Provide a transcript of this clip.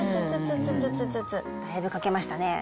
だいぶかけましたね。